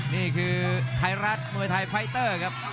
นี่คือไทยรัฐมวยไทยไฟเตอร์ครับ